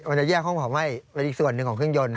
จะแยกห้องเผาไหม้เป็นอีกส่วนหนึ่งของเครื่องยนต์